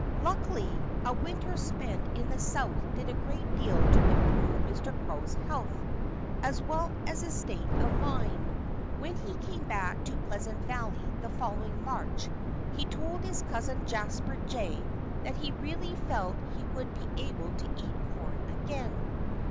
Luckily, a winter spent in the South did a great deal to improve Mr. Crow's health, as well as his state of mind. When he came back to Pleasant Valley the following March he told his cousin Jasper Jay that he really felt he would be able to eat corn again.